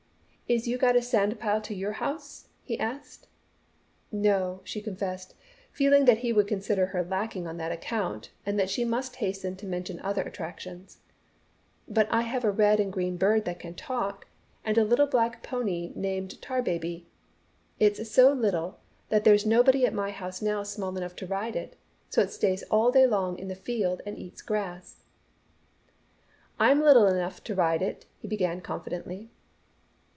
"Is you got a sand pile to your house?" he asked. "No," she confessed, feeling that he would consider her lacking on that account and that she must hasten to mention other attractions. "But I have a red and green bird that can talk, and a little black pony named 'Tarbaby.' It's so little that there's nobody at my house now small enough to ride it. So it stays all day long in the field and eats grass." "I'm little enough to ride it," he began confidently.